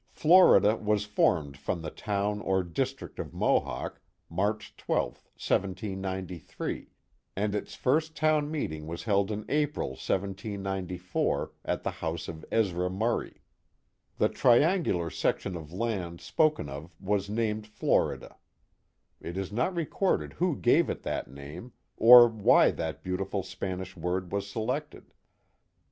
Florida was formed from the town or district of Mohawk, March 12, 1793, and its first town meeting was held in April, 1794, at the house of Ezra Murray. The triangular section of land spoken of was named Florida. It is not recorded who gave it that name, or why that beauti ful Spanish word was selected.